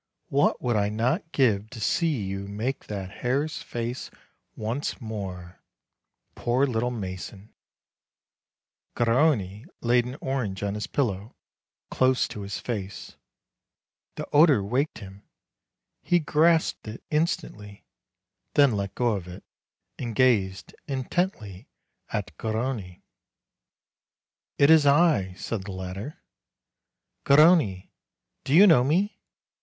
what would I not give to see you make the hare's face once more, poor little mason ! Garrone laid an orange on his pillow, close to his face ; the odor waked him ; he grasped it instantly ; then let go of it, and gazed intently at Garrone. "It is I," said the latter; "Garrone: do you know me?"